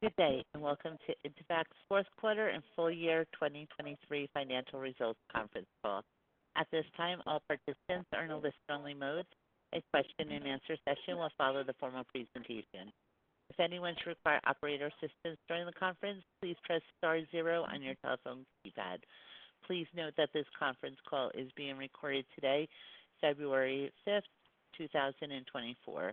Good day, and welcome to Intevac's fourth quarter and full year 2023 financial results conference call. At this time, all participants are in a listen-only mode. A question and answer session will follow the formal presentation. If anyone should require operator assistance during the conference, please press star zero on your telephone keypad. Please note that this conference call is being recorded today, February 5th, 2024.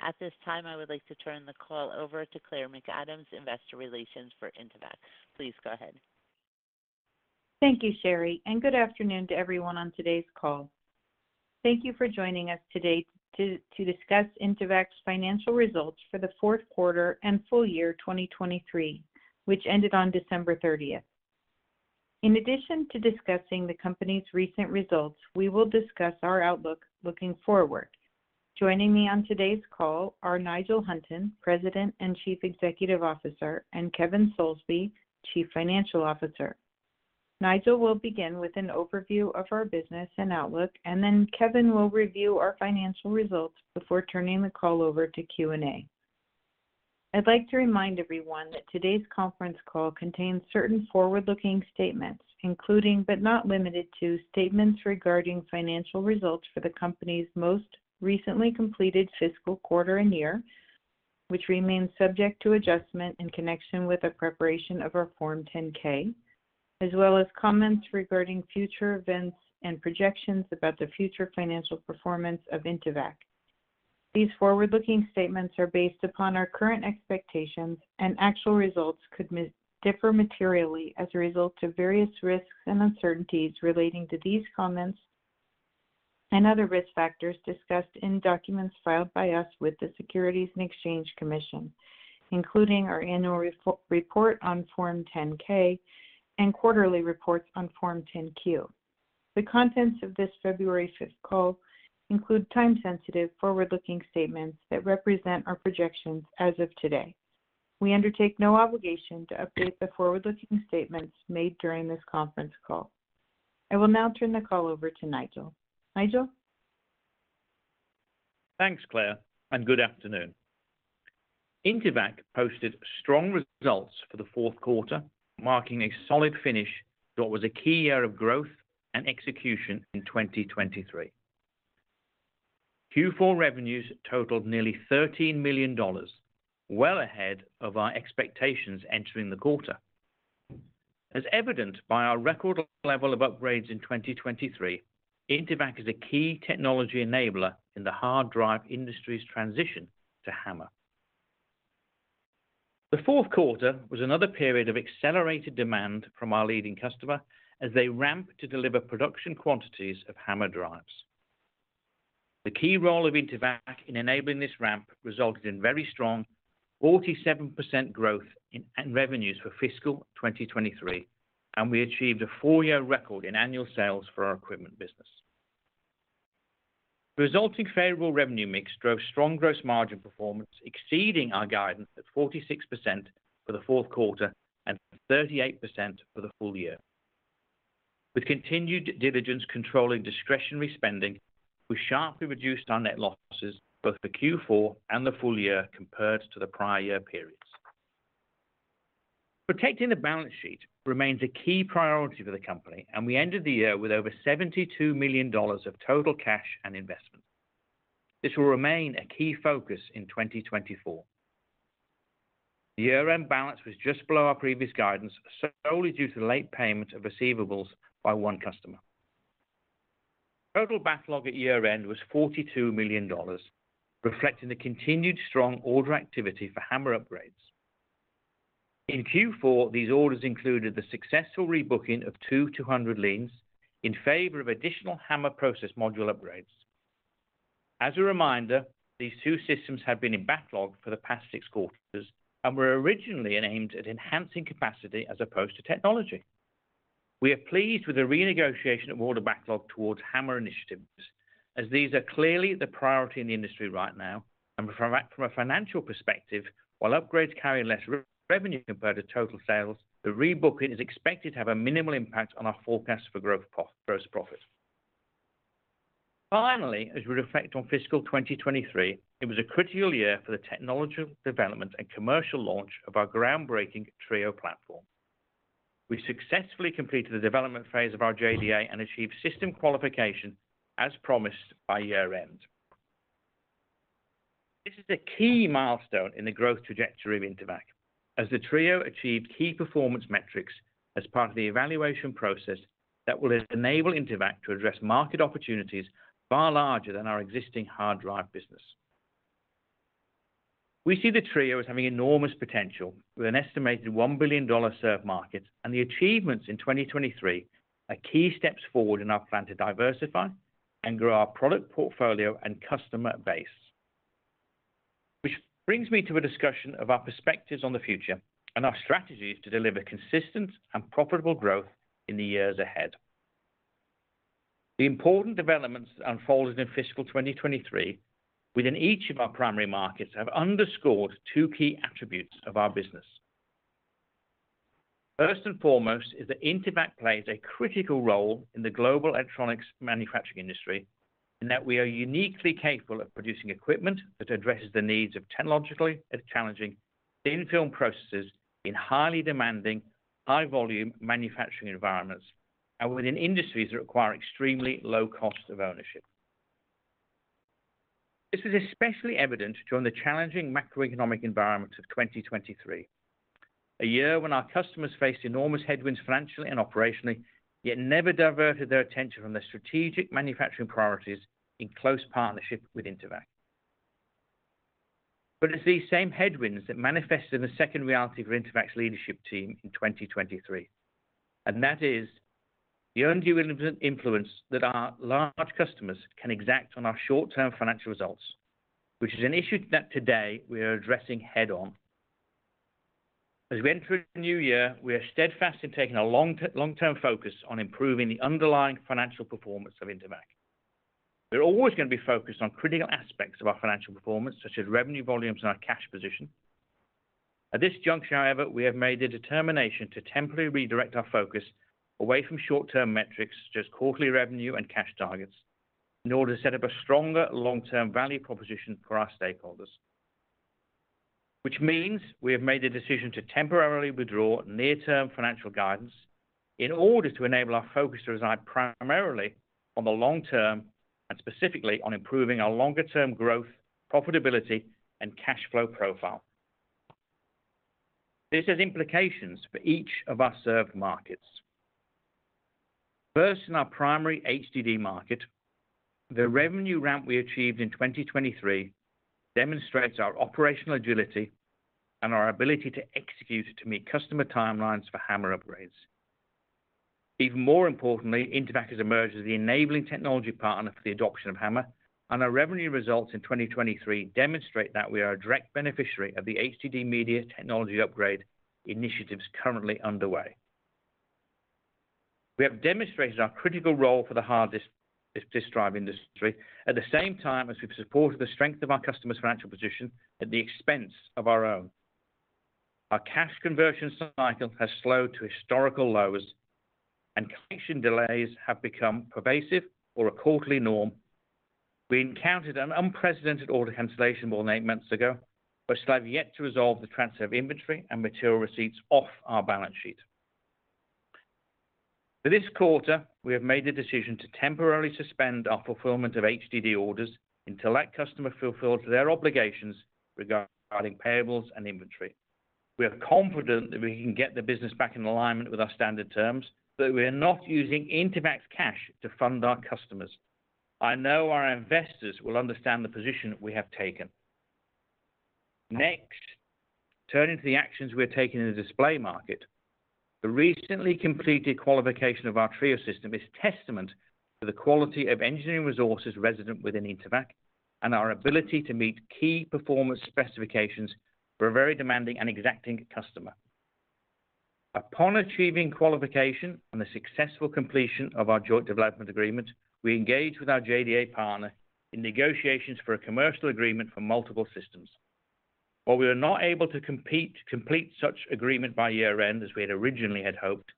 At this time, I would like to turn the call over to Claire McAdams, Investor Relations for Intevac. Please go ahead. Thank you, Sherry, and good afternoon to everyone on today's call. Thank you for joining us today to discuss Intevac's financial results for the fourth quarter and full year 2023, which ended on December 30. In addition to discussing the company's recent results, we will discuss our outlook looking forward. Joining me on today's call are Nigel Hunton, President and Chief Executive Officer, and Kevin Soulsby, Chief Financial Officer. Nigel will begin with an overview of our business and outlook, and then Kevin will review our financial results before turning the call over to Q&A. I'd like to remind everyone that today's conference call contains certain forward-looking statements, including but not limited to, statements regarding financial results for the company's most recently completed fiscal quarter and year, which remains subject to adjustment in connection with the preparation of our Form 10-K, as well as comments regarding future events and projections about the future financial performance of Intevac. These forward-looking statements are based upon our current expectations, and actual results could differ materially as a result of various risks and uncertainties relating to these comments and other risk factors discussed in documents filed by us with the Securities and Exchange Commission, including our annual report on Form 10-K and quarterly reports on Form 10-Q. The contents of this February fifth call include time-sensitive, forward-looking statements that represent our projections as of today. We undertake no obligation to update the forward-looking statements made during this conference call. I will now turn the call over to Nigel. Nigel? Thanks, Claire, and good afternoon. Intevac posted strong results for the fourth quarter, marking a solid finish to what was a key year of growth and execution in 2023. Q4 revenues totaled nearly $13 million, well ahead of our expectations entering the quarter. As evidenced by our record level of upgrades in 2023, Intevac is a key technology enabler in the hard drive industry's transition to HAMR. The fourth quarter was another period of accelerated demand from our leading customer as they ramp to deliver production quantities of HAMR drives. The key role of Intevac in enabling this ramp resulted in very strong 47% growth in revenues for fiscal 2023, and we achieved a four-year record in annual sales for our equipment business. The resulting favorable revenue mix drove strong gross margin performance, exceeding our guidance at 46% for the fourth quarter and 38% for the full year. With continued due diligence controlling discretionary spending, we sharply reduced our net losses both for Q4 and the full year compared to the prior year periods. Protecting the balance sheet remains a key priority for the company, and we ended the year with over $72 million of total cash and investment. This will remain a key focus in 2024. The year-end balance was just below our previous guidance, solely due to the late payment of receivables by one customer. Total backlog at year-end was $42 million, reflecting the continued strong order activity for HAMR upgrades. In Q4, these orders included the successful rebooking of two 200 Leans in favor of additional HAMR process module upgrades. As a reminder, these two systems have been in backlog for the past six quarters and were originally aimed at enhancing capacity as opposed to technology. We are pleased with the renegotiation of order backlog towards HAMR initiatives, as these are clearly the priority in the industry right now and from a financial perspective, while upgrades carry less revenue compared to total sales, the rebooking is expected to have a minimal impact on our forecast for gross profit. Finally, as we reflect on fiscal 2023, it was a critical year for the technology development and commercial launch of our groundbreaking TRIO platform. We successfully completed the development phase of our JDA and achieved system qualification as promised by year-end. This is a key milestone in the growth trajectory of Intevac, as the TRIO achieved key performance metrics as part of the evaluation process that will enable Intevac to address market opportunities far larger than our existing hard drive business. We see the TRIO as having enormous potential with an estimated $1 billion served market, and the achievements in 2023 are key steps forward in our plan to diversify and grow our product portfolio and customer base. Which brings me to a discussion of our perspectives on the future and our strategies to deliver consistent and profitable growth in the years ahead. The important developments that unfolded in fiscal 2023 within each of our primary markets have underscored two key attributes of our business.... First and foremost is that Intevac plays a critical role in the global electronics manufacturing industry, and that we are uniquely capable of producing equipment that addresses the needs of technologically and challenging thin-film processes in highly demanding, high-volume manufacturing environments, and within industries that require extremely low costs of ownership. This was especially evident during the challenging macroeconomic environment of 2023, a year when our customers faced enormous headwinds, financially and operationally, yet never diverted their attention from their strategic manufacturing priorities in close partnership with Intevac. But it's these same headwinds that manifested in the second reality for Intevac's leadership team in 2023, and that is the undue influence that our large customers can exact on our short-term financial results, which is an issue that today we are addressing head-on. As we enter a new year, we are steadfast in taking a long-term focus on improving the underlying financial performance of Intevac. We're always going to be focused on critical aspects of our financial performance, such as revenue volumes and our cash position. At this juncture, however, we have made the determination to temporarily redirect our focus away from short-term metrics, such as quarterly revenue and cash targets, in order to set up a stronger long-term value proposition for our stakeholders. Which means we have made the decision to temporarily withdraw near-term financial guidance in order to enable our focus to reside primarily on the long term, and specifically on improving our longer-term growth, profitability, and cash flow profile. This has implications for each of our served markets. First, in our primary HDD market, the revenue ramp we achieved in 2023 demonstrates our operational agility and our ability to execute to meet customer timelines for HAMR upgrades. Even more importantly, Intevac has emerged as the enabling technology partner for the adoption of HAMR, and our revenue results in 2023 demonstrate that we are a direct beneficiary of the HDD media technology upgrade initiatives currently underway. We have demonstrated our critical role for the hard disk, disk drive industry, at the same time as we've supported the strength of our customers' financial position at the expense of our own. Our cash conversion cycle has slowed to historical lows, and collection delays have become pervasive or a quarterly norm. We encountered an unprecedented order cancellation more than eight months ago, which I've yet to resolve the transfer of inventory and material receipts off our balance sheet. For this quarter, we have made the decision to temporarily suspend our fulfillment of HDD orders until that customer fulfills their obligations regarding payables and inventory. We are confident that we can get the business back in alignment with our standard terms, but we are not using Intevac's cash to fund our customers. I know our investors will understand the position that we have taken. Next, turning to the actions we are taking in the display market. The recently completed qualification of our TRIO system is testament to the quality of engineering resources resident within Intevac and our ability to meet key performance specifications for a very demanding and exacting customer. Upon achieving qualification and the successful completion of our joint development agreement, we engaged with our JDA partner in negotiations for a commercial agreement for multiple systems. While we were not able to complete such agreement by year-end, as we had originally hoped,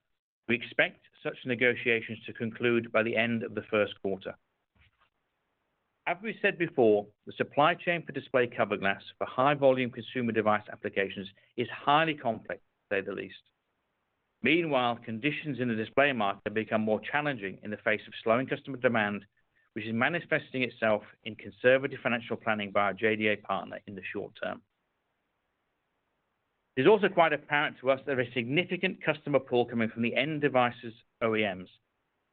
we expect such negotiations to conclude by the end of the first quarter. As we said before, the supply chain for display cover glass for high-volume consumer device applications is highly complex, to say the least. Meanwhile, conditions in the display market have become more challenging in the face of slowing customer demand, which is manifesting itself in conservative financial planning by our JDA partner in the short term. It's also quite apparent to us there are a significant customer pool coming from the end devices OEMs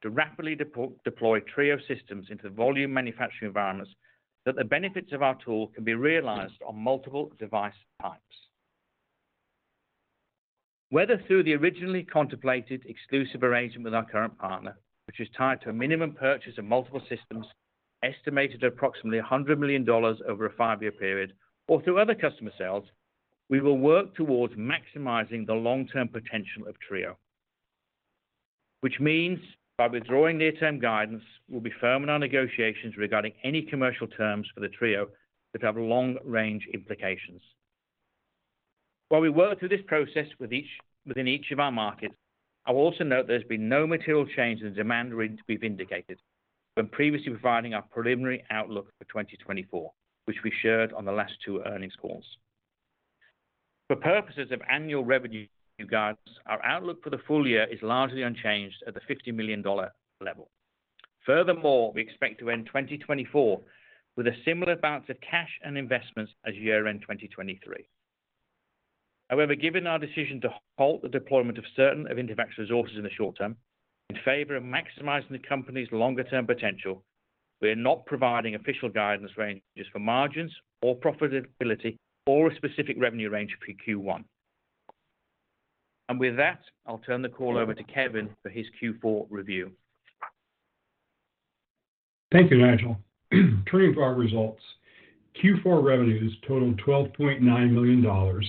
to rapidly deploy TRIO systems into volume manufacturing environments, that the benefits of our tool can be realized on multiple device types. Whether through the originally contemplated exclusive arrangement with our current partner, which is tied to a minimum purchase of multiple systems estimated at approximately $100 million over a five-year period, or through other customer sales, we will work towards maximizing the long-term potential of TRIO. Which means by withdrawing near-term guidance, we'll be firm on our negotiations regarding any commercial terms for the TRIO that have long-range implications. While we work through this process within each of our markets, I will also note there's been no material change in the demand range we've indicated when previously providing our preliminary outlook for 2024, which we shared on the last two earnings calls. For purposes of annual revenue guidance, our outlook for the full year is largely unchanged at the $50 million level. Furthermore, we expect to end 2024 with a similar balance of cash and investments as year-end 2023. However, given our decision to halt the deployment of certain of Intevac's resources in the short term in favor of maximizing the company's longer-term potential, we are not providing official guidance ranges for margins or profitability or a specific revenue range for Q1. With that, I'll turn the call over to Kevin for his Q4 review. Thank you, Nigel. Turning to our results, Q4 revenues totaled $12.9 million,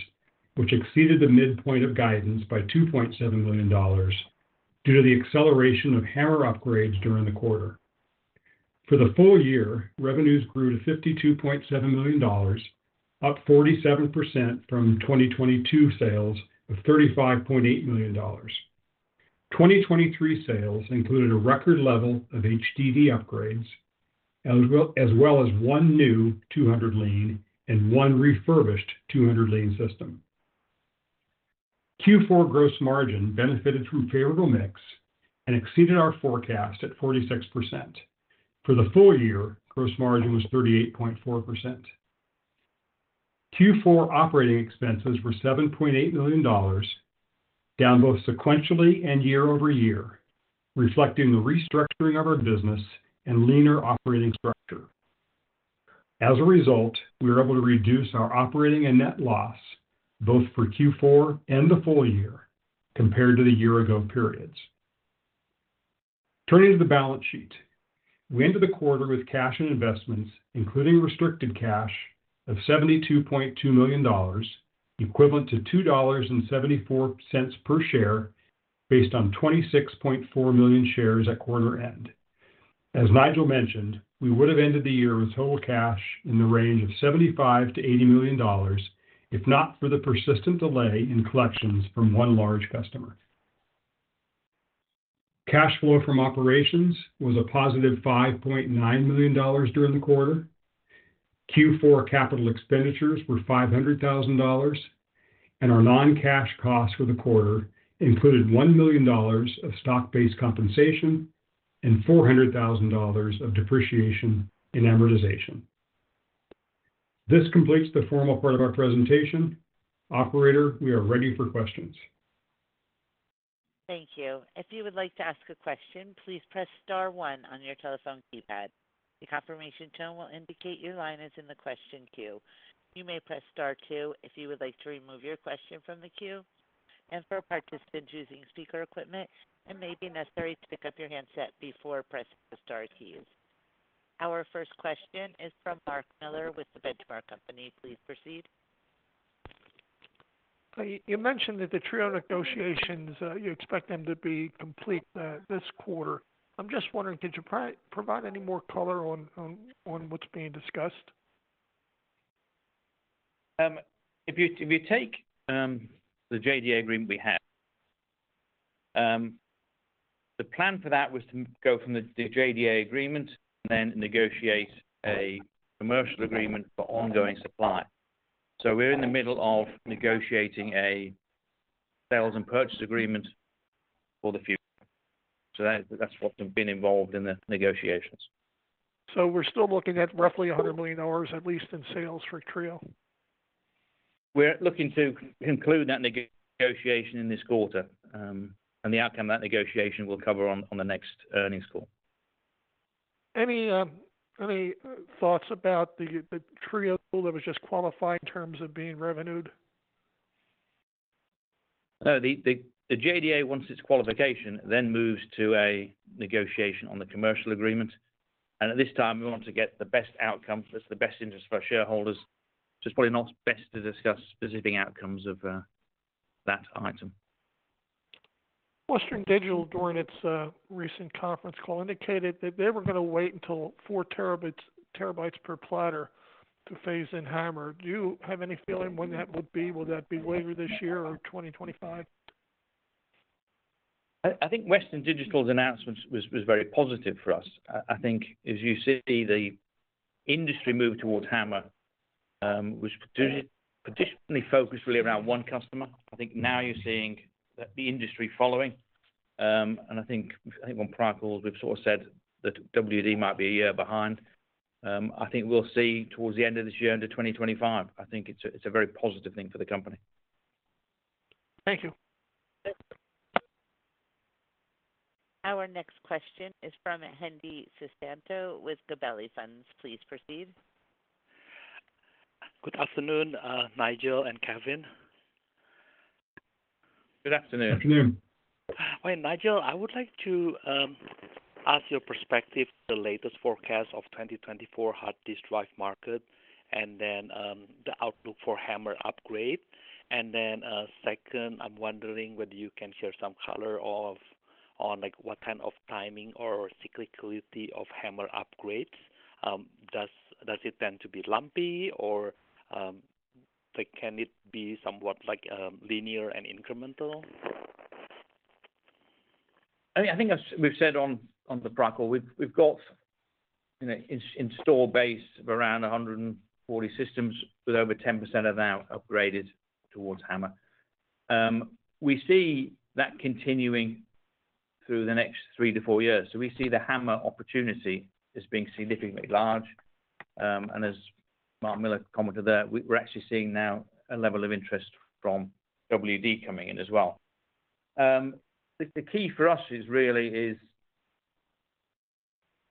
which exceeded the midpoint of guidance by $2.7 million due to the acceleration of HAMR upgrades during the quarter.... For the full year, revenues grew to $52.7 million, up 47% from 2022 sales of $35.8 million. 2023 sales included a record level of HDD upgrades, as well as one new 200 Lean and one refurbished 200 Lean system. Q4 gross margin benefited from favorable mix and exceeded our forecast at 46%. For the full year, gross margin was 38.4%. Q4 operating expenses were $7.8 million, down both sequentially and year-over-year, reflecting the restructuring of our business and leaner operating structure. As a result, we were able to reduce our operating and net loss both for Q4 and the full year compared to the year-ago periods. Turning to the balance sheet. We ended the quarter with cash and investments, including restricted cash of $72.2 million, equivalent to $2.74 per share, based on 26.4 million shares at quarter end. As Nigel mentioned, we would have ended the year with total cash in the range of $75 million-$80 million, if not for the persistent delay in collections from one large customer. Cash flow from operations was a positive $5.9 million during the quarter. Q4 capital expenditures were $500,000, and our non-cash costs for the quarter included $1 million of stock-based compensation and $400,000 of depreciation and amortization. This completes the formal part of our presentation. Operator, we are ready for questions. Thank you. If you would like to ask a question, please press star one on your telephone keypad. The confirmation tone will indicate your line is in the question queue. You may press star two if you would like to remove your question from the queue. And for participants using speaker equipment, it may be necessary to pick up your handset before pressing the star keys. Our first question is from Mark Miller with The Benchmark Company. Please proceed. You mentioned that the TRIO negotiations you expect them to be complete this quarter. I'm just wondering, could you provide any more color on what's being discussed? If you, if you take, the JDA agreement we have, the plan for that was to go from the, the JDA agreement and then negotiate a commercial agreement for ongoing supply. So we're in the middle of negotiating a sales and purchase agreement for the future. So that, that's what's been involved in the negotiations. We're still looking at roughly $100 million, at least in sales for TRIO? We're looking to conclude that negotiation in this quarter, and the outcome of that negotiation we'll cover on the next earnings call. Any thoughts about the TRIO that was just qualified in terms of being revenued? No, the JDA, once it's qualification, then moves to a negotiation on the commercial agreement, and at this time, we want to get the best outcome that's in the best interest for our shareholders. So it's probably not best to discuss specific outcomes of that item. Western Digital, during its recent conference call, indicated that they were gonna wait until 4 TB per platter to phase in HAMR. Do you have any feeling when that would be? Will that be later this year or 2025? I think Western Digital's announcement was very positive for us. I think as you see, the industry move towards HAMR was traditionally focused really around one customer. I think now you're seeing the industry following. And I think on prior calls, we've sort of said that WD might be a year behind. I think we'll see towards the end of this year into 2025. I think it's a very positive thing for the company. Thank you. Our next question is from Hendi Susanto with Gabelli Funds. Please proceed. Good afternoon, Nigel and Kevin. Good afternoon. Afternoon. Well, Nigel, I would like to ask your perspective, the latest forecast of 2024 hard disk drive market, and then, the outlook for HAMR upgrade. And then, second, I'm wondering whether you can share some color of, on, what kind of timing or cyclicality of HAMR upgrades. Does it tend to be lumpy or, can it be somewhat linear and incremental? I think, as we've said on the call, we've got, you know, an installed base of around 140 systems with over 10% of that upgraded towards HAMR. We see that continuing through the next three-four years. So we see the HAMR opportunity as being significantly large. And as Mark Miller commented there, we're actually seeing now a level of interest from WD coming in as well. The key for us is really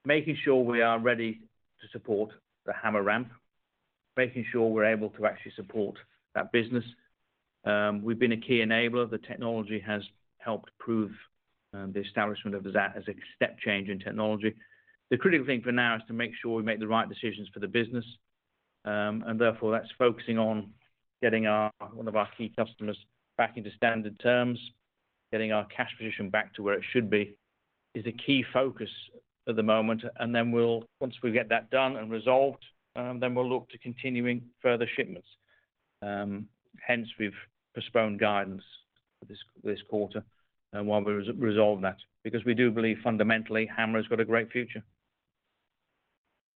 making sure we are ready to support the HAMR ramp, making sure we're able to actually support that business. We've been a key enabler. The technology has helped prove the establishment of that as a step change in technology. The critical thing for now is to make sure we make the right decisions for the business. And therefore that's focusing on getting our, one of our key customers back into standard terms, getting our cash position back to where it should be, is a key focus at the moment. And then we'll. Once we get that done and resolved, then we'll look to continuing further shipments. Hence, we've postponed guidance for this quarter, and while we resolve that, because we do believe fundamentally, HAMR's got a great future.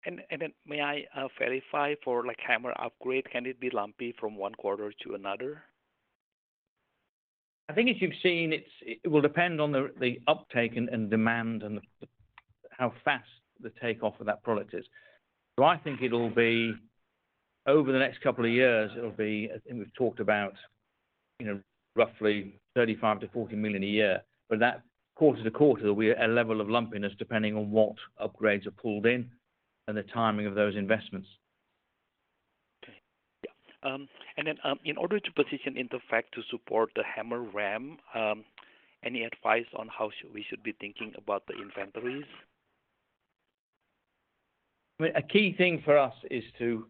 Then, may I verify for, like, HAMR upgrade, can it be lumpy from one quarter to another? I think as you've seen, it will depend on the uptake and demand and how fast the take-off of that product is. So I think it'll be over the next couple of years, I think we've talked about, you know, roughly $35 million-$40 million a year, but that quarter-to-quarter, we are a level of lumpiness, depending on what upgrades are pulled in and the timing of those investments. Okay. Yeah. And then, in order to position Intevac to support the HAMR, any advice on how we should be thinking about the inventories? Well, a key thing for us is to,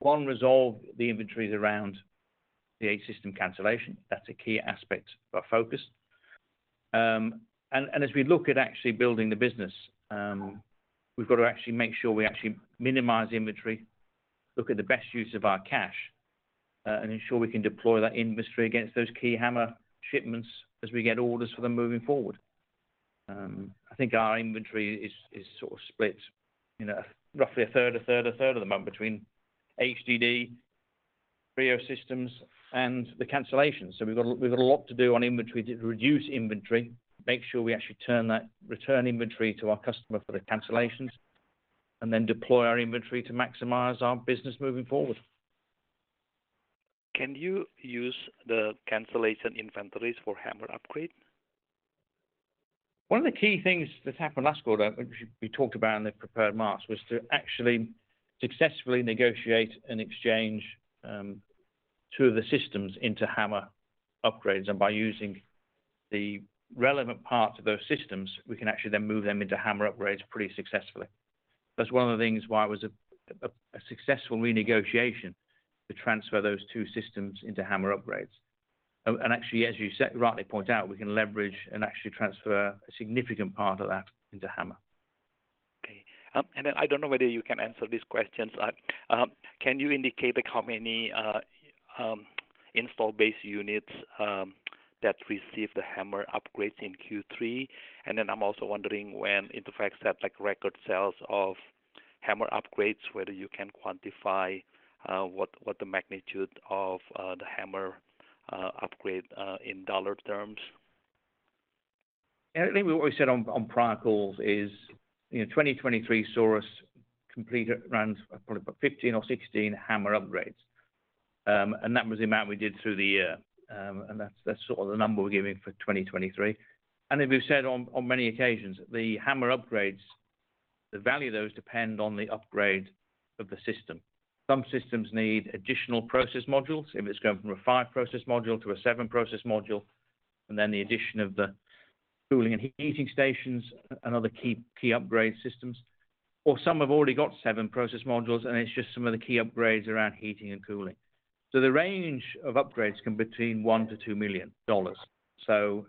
one, resolve the inventories around the 8 system cancellation. That's a key aspect of our focus. And as we look at actually building the business, we've got to actually make sure we actually minimize the inventory, look at the best use of our cash, and ensure we can deploy that inventory against those key HAMR shipments as we get orders for them moving forward. I think our inventory is sort of split, you know, roughly a third, a third, a third of the month between HDD, TRIO systems, and the cancellation. So we've got a lot to do on inventory, to reduce inventory, make sure we actually turn that return inventory to our customer for the cancellations, and then deploy our inventory to maximize our business moving forward. Can you use the cancellation inventories for HAMR upgrade? One of the key things that happened last quarter, which we talked about in the prepared remarks, was to actually successfully negotiate and exchange two of the systems into HAMR upgrades. And by using the relevant parts of those systems, we can actually then move them into HAMR upgrades pretty successfully. That's one of the things why it was a successful renegotiation to transfer those two systems into HAMR upgrades. And actually, as you rightly point out, we can leverage and actually transfer a significant part of that into HAMR. Okay. And then I don't know whether you can answer these questions. Can you indicate, like, how many installed base units that received the HAMR upgrades in Q3? And then I'm also wondering when Intevac had, like, record sales of HAMR upgrades, whether you can quantify what the magnitude of the HAMR upgrade in dollar terms. I think what we said on prior calls is, you know, 2023 saw us complete around probably about 15 or 16 HAMR upgrades. And that was the amount we did through the year. And that's sort of the number we're giving for 2023. And as we've said on many occasions, the HAMR upgrades, the value of those depend on the upgrade of the system. Some systems need additional process modules, if it's going from a five-process module to a seven-process module, and then the addition of the cooling and heating stations and other key upgrade systems. Or some have already got seven process modules, and it's just some of the key upgrades around heating and cooling. So the range of upgrades can between $1 million-$2 million.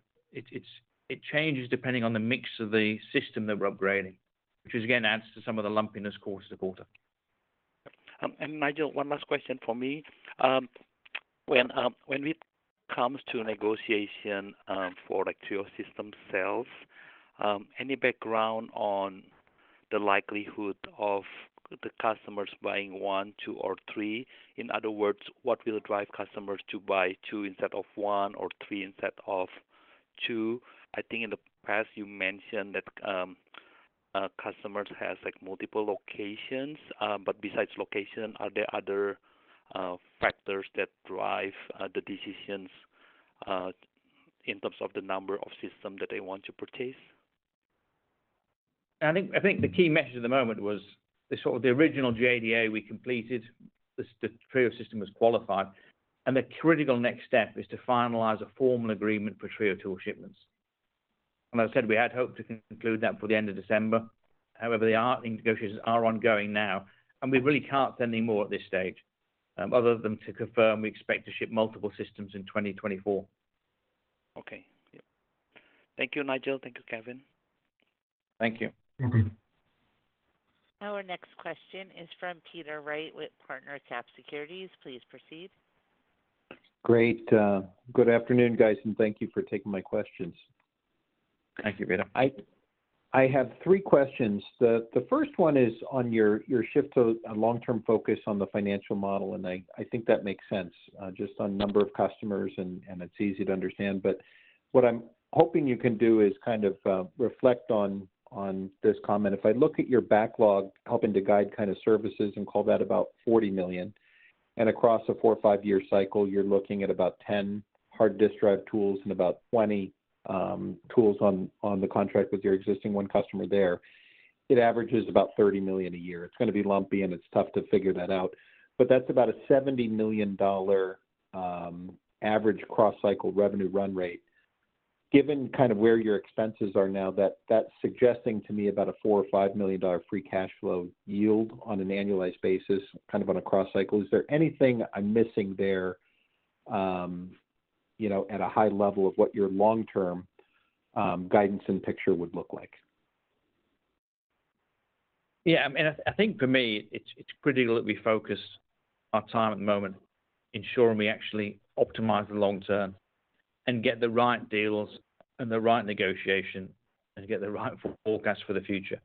It changes depending on the mix of the system that we're upgrading, which, again, adds to some of the lumpiness, of course, of the quarter. Nigel, one last question for me. When it comes to negotiation for like TRIO system sales, any background on the likelihood of the customers buying one, two, or three? In other words, what will drive customers to buy two instead of one or three instead of two? I think in the past, you mentioned that customers has like multiple locations, but besides location, are there other factors that drive the decisions in terms of the number of systems that they want to purchase? I think, I think the key message at the moment was sort of the original JDA we completed, the TRIO system was qualified, and the critical next step is to finalize a formal agreement for TRIO tool shipments. I said we had hoped to conclude that before the end of December. However, our negotiations are ongoing now, and we really can't say any more at this stage, other than to confirm we expect to ship multiple systems in 2024. Okay. Yep. Thank you, Nigel. Thank you, Kevin. Thank you. Thank you. Our next question is from Peter Wright with PartnerCap Securities. Please proceed. Great. Good afternoon, guys, and thank you for taking my questions. Thank you, Peter. I have three questions. The first one is on your shift to a long-term focus on the financial model, and I think that makes sense, just on number of customers and it's easy to understand. But what I'm hoping you can do is kind of reflect on this comment. If I look at your backlog, helping to guide kind of services and call that about $40 million, and across a four- or five-year cycle, you're looking at about 10 hard disk drive tools and about 20 tools on the contract with your existing one customer there. It averages about $30 million a year. It's gonna be lumpy, and it's tough to figure that out, but that's about a $70 million average cross-cycle revenue run rate.... Given kind of where your expenses are now, that, that's suggesting to me about a $4 million-$5 million free cash flow yield on an annualized basis, kind of on a cross cycle. Is there anything I'm missing there, you know, at a high level of what your long-term guidance and picture would look like? Yeah, I think for me, it's critical that we focus our time at the moment, ensuring we actually optimize the long term and get the right deals and the right negotiation and get the right forecast for the future.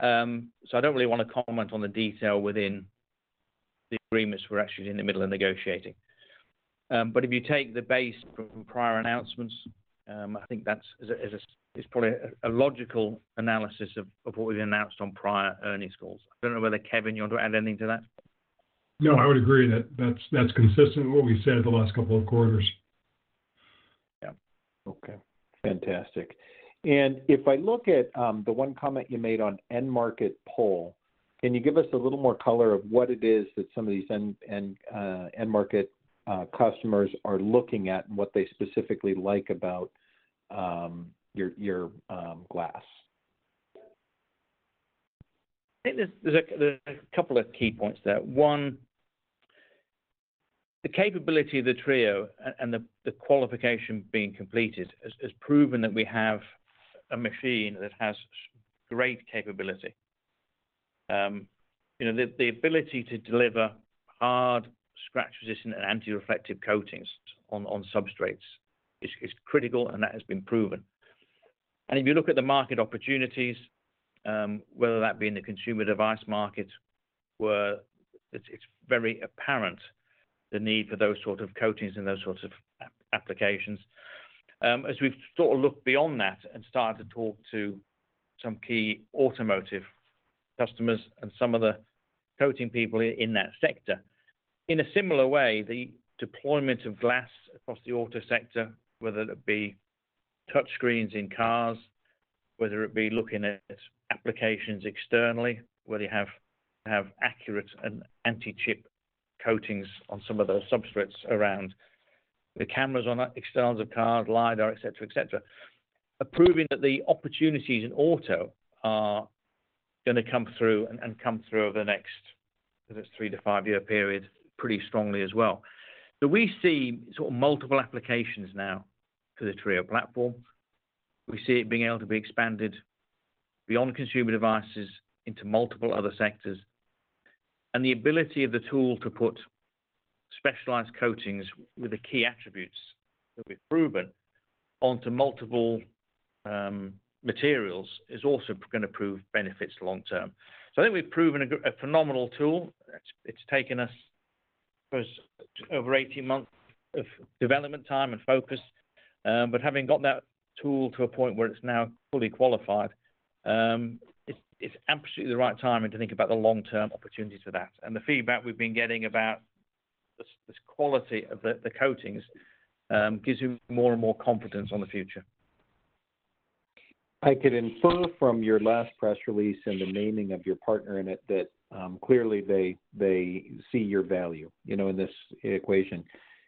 So I don't really want to comment on the detail within the agreements we're actually in the middle of negotiating. But if you take the base from prior announcements, I think that's probably a logical analysis of what we've announced on prior earnings calls. I don't know whether, Kevin, you want to add anything to that? No, I would agree that that's, that's consistent with what we've said the last couple of quarters. Yeah. Okay, fantastic. And if I look at the one comment you made on end-market pull, can you give us a little more color of what it is that some of these end-market customers are looking at and what they specifically like about your glass? I think there's a couple of key points there. One, the capability of the TRIO and the qualification being completed has proven that we have a machine that has great capability. You know, the ability to deliver hard, scratch-resistant, and anti-reflective coatings on substrates is critical, and that has been proven. And if you look at the market opportunities, whether that be in the consumer device market, where it's very apparent the need for those sorts of coatings and those sorts of applications. As we've sort of looked beyond that and started to talk to some key automotive customers and some of the coating people in that sector, in a similar way, the deployment of glass across the auto sector, whether it be touchscreens in cars, whether it be looking at applications externally, whether you have accurate and anti-chip coatings on some of those substrates around the cameras on the exteriors of cars, LiDAR, et cetera, et cetera, are proving that the opportunities in auto are going to come through and come through over the next, whether it's three to five-year period, pretty strongly as well. So we see sort of multiple applications now for the TRIO platform. We see it being able to be expanded beyond consumer devices into multiple other sectors, and the ability of the tool to put specialized coatings with the key attributes that we've proven onto multiple materials is also gonna prove benefits long term. So I think we've proven a phenomenal tool. It's taken us almost over 18 months of development time and focus, but having got that tool to a point where it's now fully qualified, it's absolutely the right timing to think about the long-term opportunities for that. And the feedback we've been getting about this quality of the coatings gives you more and more confidence on the future. I could infer from your last press release and the naming of your partner in it, that clearly they see your value, you know, in this equation.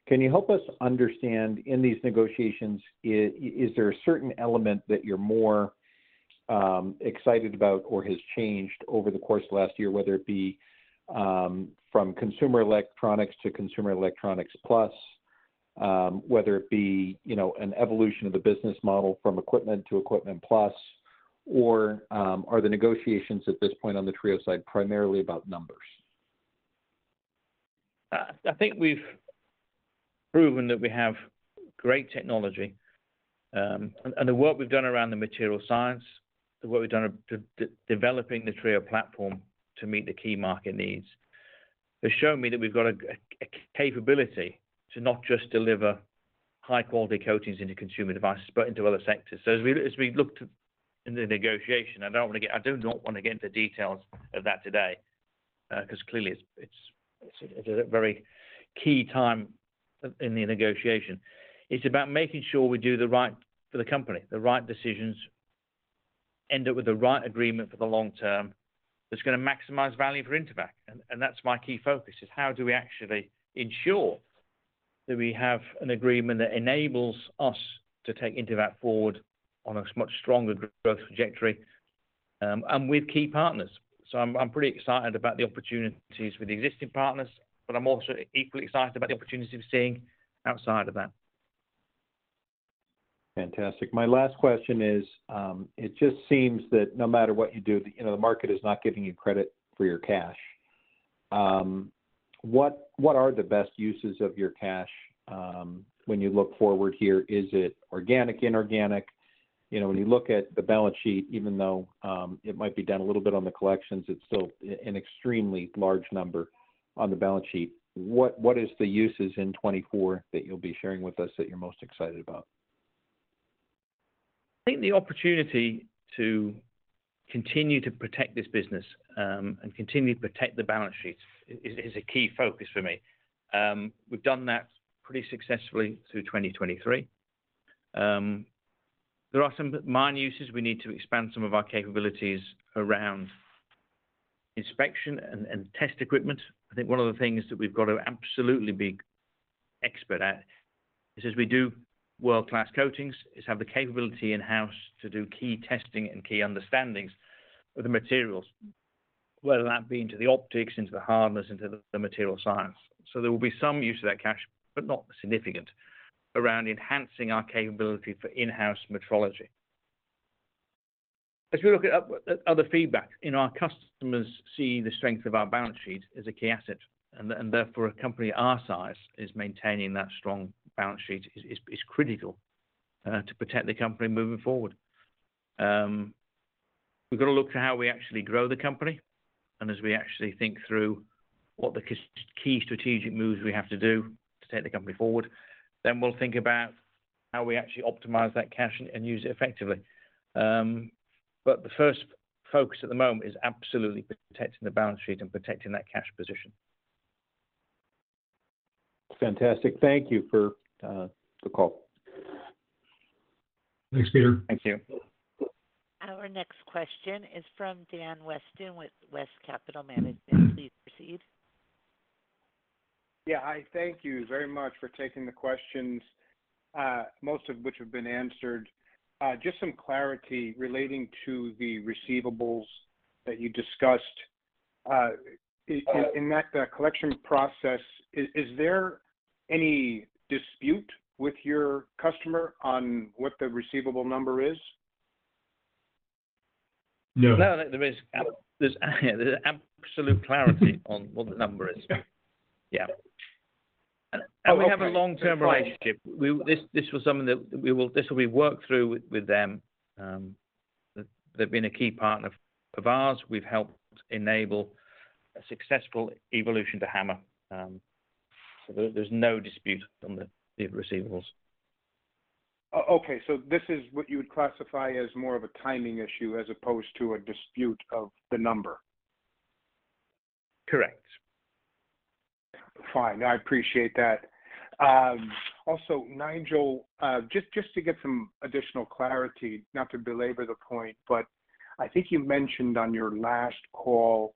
Can you help us understand, in these negotiations, is there a certain element that you're more excited about or has changed over the course of last year? Whether it be from consumer electronics to consumer electronics plus, whether it be, you know, an evolution of the business model from equipment to equipment plus, or are the negotiations at this point on the TRIO side primarily about numbers? I think we've proven that we have great technology, and the work we've done around the material science, the work we've done to developing the TRIO platform to meet the key market needs, has shown me that we've got a capability to not just deliver high-quality coatings into consumer devices, but into other sectors. So as we looked in the negotiation, I don't want to get, I do not want to get into details of that today, 'cause clearly it's a very key time in the negotiation. It's about making sure we do the right for the company, the right decisions, end up with the right agreement for the long term, that's going to maximize value for Intevac. That's my key focus, is how do we actually ensure that we have an agreement that enables us to take Intevac forward on a much stronger growth trajectory, and with key partners. So I'm pretty excited about the opportunities with existing partners, but I'm also equally excited about the opportunities we're seeing outside of that. Fantastic. My last question is, it just seems that no matter what you do, the, you know, the market is not giving you credit for your cash. What, what are the best uses of your cash, when you look forward here? Is it organic, inorganic? You know, when you look at the balance sheet, even though, it might be down a little bit on the collections, it's still an extremely large number on the balance sheet. What, what is the uses in 2024 that you'll be sharing with us that you're most excited about? I think the opportunity to continue to protect this business, and continue to protect the balance sheets is a key focus for me. We've done that pretty successfully through 2023. There are some minor uses. We need to expand some of our capabilities around inspection and test equipment. I think one of the things that we've got to absolutely be expert at is, as we do world-class coatings, is have the capability in-house to do key testing and key understandings of the materials, whether that be into the optics, into the hardness, into the material science. So there will be some use of that cash, but not significant, around enhancing our capability for in-house metrology. As we look at other feedback, and our customers see the strength of our balance sheet as a key asset, and therefore, a company our size is maintaining that strong balance sheet is critical to protect the company moving forward. We've got to look to how we actually grow the company, and as we actually think through what the key strategic moves we have to do to take the company forward, then we'll think about how we actually optimize that cash and use it effectively. But the first focus at the moment is absolutely protecting the balance sheet and protecting that cash position. Fantastic. Thank you for the call. Thanks, Peter. Thank you. Our next question is from Dan Weston with West Capital Management. Please proceed. Yeah, hi. Thank you very much for taking the questions, most of which have been answered. Just some clarity relating to the receivables that you discussed. In that collection process, is there any dispute with your customer on what the receivable number is? No. No, there's absolute clarity on what the number is. Okay. Yeah. Oh, okay. We have a long-term relationship. This will be worked through with them. They've been a key partner of ours. We've helped enable a successful evolution to HAMR. So there's no dispute on the receivables. Okay, so this is what you would classify as more of a timing issue as opposed to a dispute of the number? Correct. Fine. I appreciate that. Also, Nigel, just to get some additional clarity, not to belabor the point, but I think you mentioned on your last call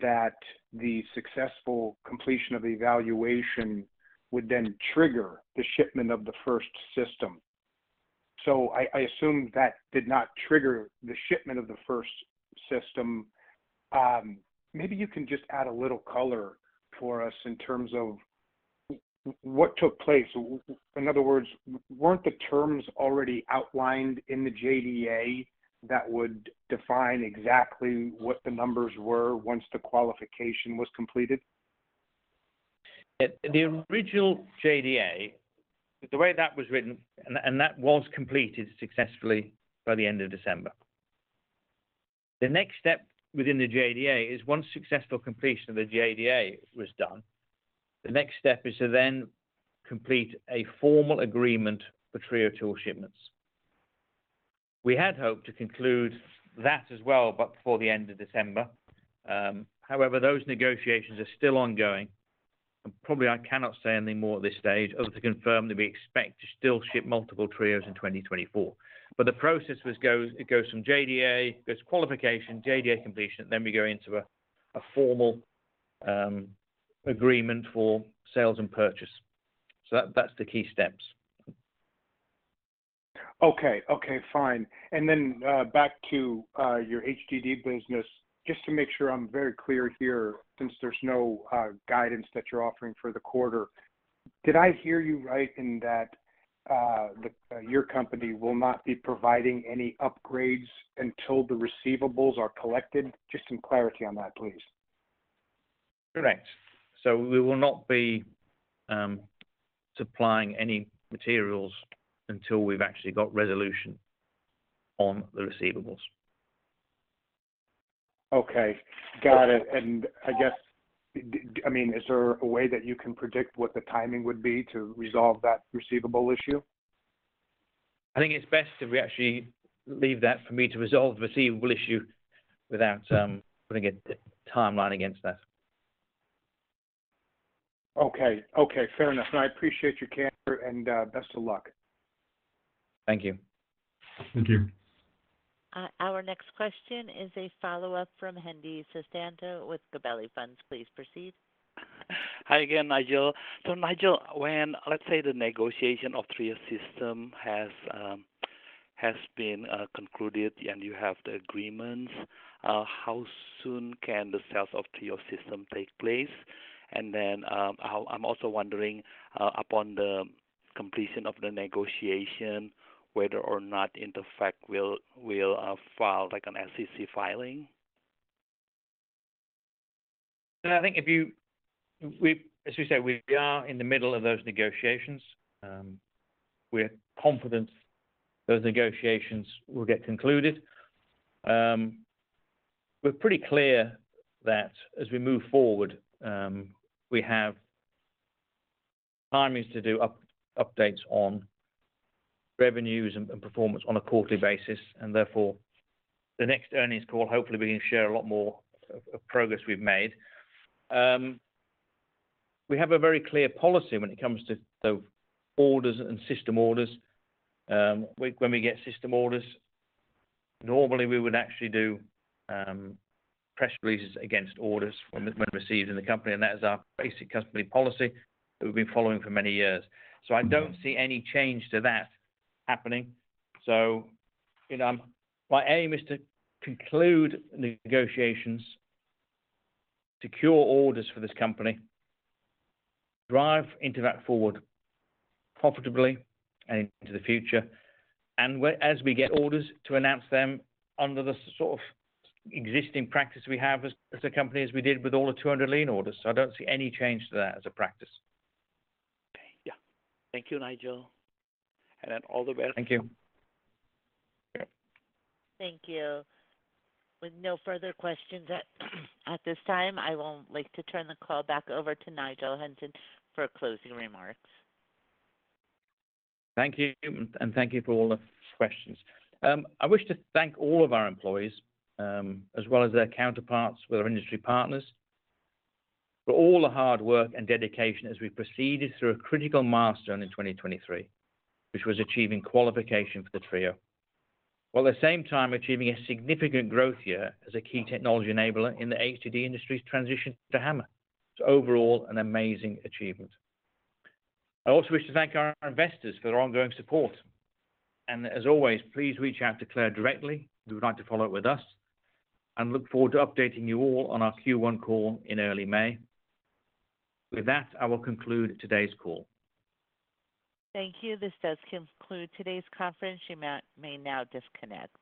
that the successful completion of the evaluation would then trigger the shipment of the first system. So I assume that did not trigger the shipment of the first system. Maybe you can just add a little color for us in terms of what took place. In other words, weren't the terms already outlined in the JDA that would define exactly what the numbers were once the qualification was completed? The original JDA, the way that was written, and that was completed successfully by the end of December. The next step within the JDA is, once successful completion of the JDA was done, the next step is to then complete a formal agreement for TRIO tool shipments. We had hoped to conclude that as well, but before the end of December, however, those negotiations are still ongoing, and probably I cannot say anything more at this stage, other to confirm that we expect to still ship multiple TRIOs in 2024. But the process was goes, it goes from JDA, goes qualification, JDA completion, then we go into a formal agreement for sales and purchase. So that, that's the key steps. Okay. Okay, fine. And then, back to your HDD business, just to make sure I'm very clear here, since there's no guidance that you're offering for the quarter. Did I hear you right in that, your company will not be providing any upgrades until the receivables are collected? Just some clarity on that, please. Correct. So we will not be supplying any materials until we've actually got resolution on the receivables. Okay, got it. I guess, I mean, is there a way that you can predict what the timing would be to resolve that receivable issue? I think it's best if we actually leave that for me to resolve the receivable issue without putting a timeline against us. Okay. Okay, fair enough, and I appreciate your candor, and best of luck. Thank you. Thank you. Our next question is a follow-up from Hendi Susanto with Gabelli Funds. Please proceed. Hi again, Nigel. So Nigel, when, let's say the negotiation of TRIO system has been concluded and you have the agreements, how soon can the sales of TRIO system take place? And then, how... I'm also wondering, upon the completion of the negotiation, whether or not Intevac will file like an SEC filing. I think if we, as you said, we are in the middle of those negotiations. We're confident those negotiations will get concluded. We're pretty clear that as we move forward, we have timings to do updates on revenues and performance on a quarterly basis, and therefore, the next earnings call, hopefully, we can share a lot more of progress we've made. We have a very clear policy when it comes to the orders and system orders. We, when we get system orders, normally, we would actually do press releases against orders when received in the company, and that is our basic company policy that we've been following for many years. So I don't see any change to that happening. So, you know, my aim is to conclude the negotiations, secure orders for this company, drive into that forward profitably and into the future, and we, as we get orders, to announce them under the sort of existing practice we have as, as a company, as we did with all the 200 Lean orders. So I don't see any change to that as a practice. Okay. Yeah. Thank you, Nigel, and then all the best. Thank you. Okay. Thank you. With no further questions at this time, I will like to turn the call back over to Nigel Hunton for closing remarks. Thank you, and thank you for all the questions. I wish to thank all of our employees, as well as their counterparts with our industry partners, for all the hard work and dedication as we proceeded through a critical milestone in 2023, which was achieving qualification for the TRIO. While at the same time achieving a significant growth year as a key technology enabler in the HDD industry's transition to HAMR. So overall, an amazing achievement. I also wish to thank our investors for their ongoing support, and as always, please reach out to Claire directly if you would like to follow up with us. I look forward to updating you all on our Q1 call in early May. With that, I will conclude today's call. Thank you. This does conclude today's conference. You may now disconnect.